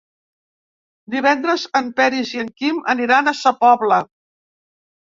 Divendres en Peris i en Quim aniran a Sa Pobla.